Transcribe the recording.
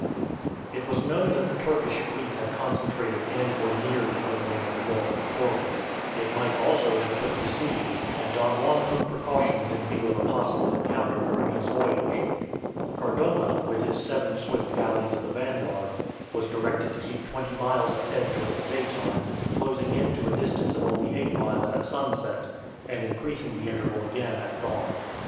It was known that the Turkish fleet had concentrated in or near the opening of the Gulf of Corinth. It might also have put to sea, and Don Juan took precautions in view of a possible encounter during his voyage. Cardona, with his seven swift galleys of the vanguard, was directed to keep twenty miles ahead during the daytime, closing in to a distance of only eight miles at sunset, and increasing the interval again at dawn.